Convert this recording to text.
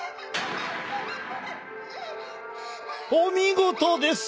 お見事です！